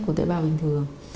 của tế bào bình thường